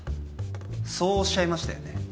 そうおっしゃいましたよね？